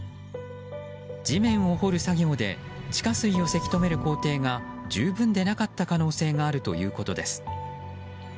地面を掘る作業で地下水をせき止める工程が十分でなかった可能性があるということです。